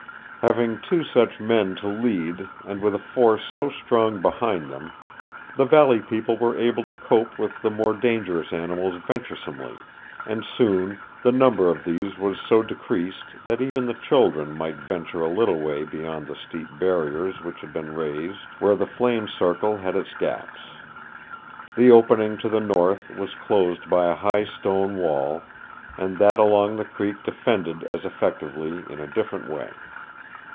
Having two such men to lead and with a force so strong behind them the valley people were able to cope with the more dangerous animals venturesomely, and soon the number of these was so decreased that even the children might venture a little way beyond the steep barriers which had been raised where the flame circle had its gaps. The opening to the north was closed by a high stone wall and that along the creek defended as effectively, in a different way.